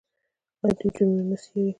آیا دوی جرمونه نه څیړي؟